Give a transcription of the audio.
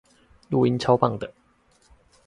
錄音超棒的